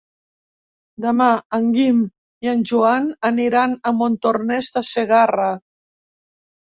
Demà en Guim i en Joan aniran a Montornès de Segarra.